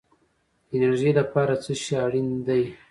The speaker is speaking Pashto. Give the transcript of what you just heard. د انرژۍ لپاره څه شی اړین دی؟